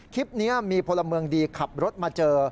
คลิปนี้มีพลเมืองดีขับรถมาเจอ